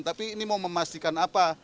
tapi ini mau memastikan apa